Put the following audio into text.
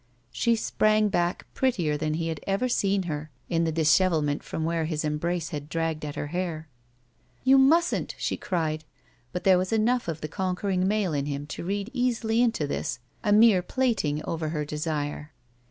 She sprang back prettier than he had ever seen her in the dishevelment from where his embrace had dragged at her hair. "You mustn't," she cried, but there was enough of the conquering male in him to read easily into this a mere plating over her desire.